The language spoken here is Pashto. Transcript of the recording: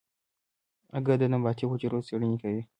اگه د نباتي حجرو څېړنې کوي.